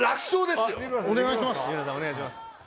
お願いします。